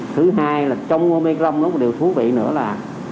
thứ hai là trong omicron có một điều thú vị nữa là